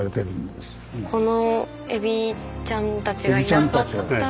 このエビちゃんたちがいなかったら。